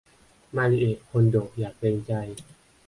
มาริเอะคนโดะอย่าเกรงใจ